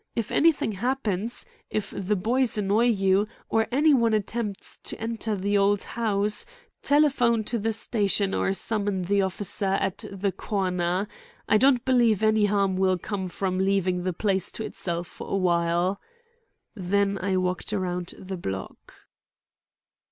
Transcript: If anything happens—if the boys annoy you, or any one attempts to enter the old house, telephone to the station or summon the officer at the corner. I don't believe any harm will come from leaving the place to itself for a while." Then I walked around the block.